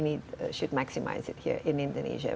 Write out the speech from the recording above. kita harus memaksimalkannya di indonesia